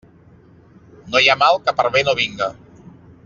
No hi ha mal que per bé no vinga.